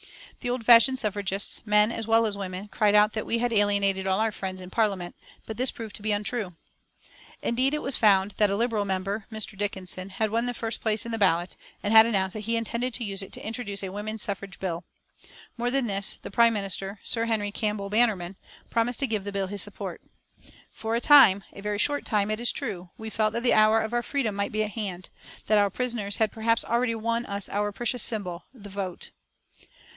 The old fashioned suffragists, men as well as women, cried out that we had alienated all our friends in Parliament; but this proved to be untrue. Indeed, it was found that a Liberal member, Mr. Dickinson, had won the first place in the ballot, and had announced that he intended to use it to introduce a women's suffrage bill. More than this, the prime minister, Sir Henry Campbell Bannerman, promised to give the bill his support. For a time, a very short time, it is true, we felt that the hour of our freedom might be at hand, that our prisoners had perhaps already won us our precious symbol the vote.